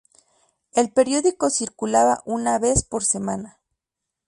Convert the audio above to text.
El periódico circulaba una vez por semana.